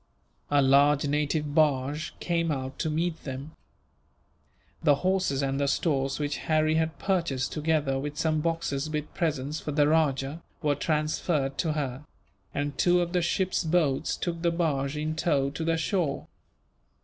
A large native barge came out to meet them. The horses and the stores which Harry had purchased, together with some boxes with presents for the rajah, were transferred to her; and two of the ship's boats took the barge in tow to the shore.